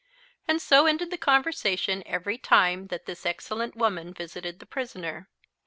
And so ended the conversation every time that this excellent woman visited the prisoner.